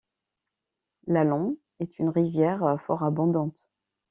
L'Allan est une rivière fort abondante.